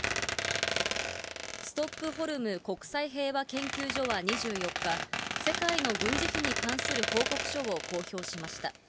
ストックホルム国際平和研究所は２４日、世界の軍事費に関する報告書を公表しました。